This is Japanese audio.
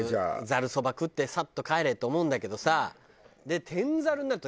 ざるそば食ってサッと帰れって思うんだけどさ。